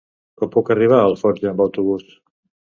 Com puc arribar a Alforja amb autobús?